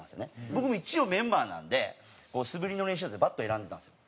僕も一応メンバーなんで素振りの練習でバット選んでたんですよ。